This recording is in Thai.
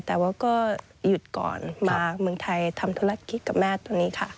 แต่ว่าก็หยุดก่อนมาเมืองไทยทำธุรกิจกับแม่ตัวนี้ค่ะ